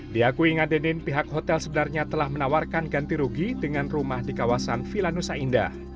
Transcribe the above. diakui nga dedin pihak hotel sebenarnya telah menawarkan ganti rugi dengan rumah di kawasan vilanusa indah